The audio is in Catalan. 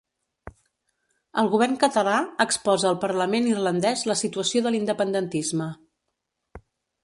El govern català exposa al parlament irlandès la situació de l'independentisme